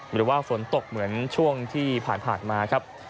หรือว่าฝนตกเหมือนช่วงที่ผ่านมาครับ